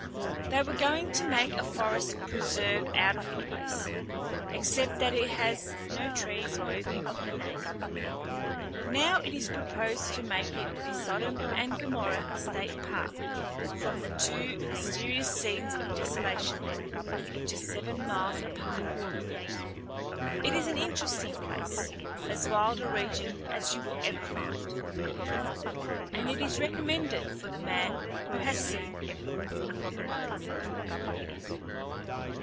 They were going to make a forest preserve out of the place, except that it has no trees worthy of the name. Now it is proposed to make it the Sodom and Gomorrah State Park from the two mysterious scenes of desolation there, just seven miles apart. It is an interesting place, as wild a region as you will ever find, and is recommended for the man who has seen everything.